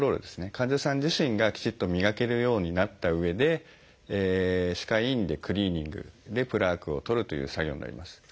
患者さん自身がきちっと磨けるようになったうえで歯科医院でクリーニングでプラークを取るという作業になります。